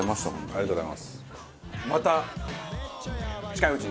ありがとうございます。